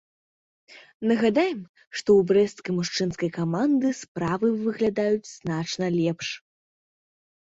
Нагадаем, што ў брэсцкай мужчынскай каманды справы выглядаюць значна лепш.